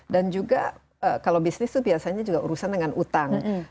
dan juga kalau bisnis itu biasanya juga urusan dengan utang